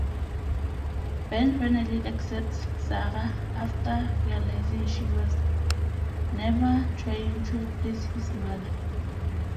Ben finally accepts Sara after realizing she was never trying to replace his mother.